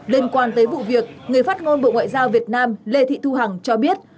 liên quan tới vụ việc người phát ngôn bộ ngoại giao việt nam lê thị thu hằng cho biết